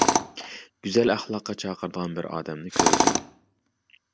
گۈزەل ئەخلاققا چاقىرىدىغان بىر ئادەمنى كۆردۈم.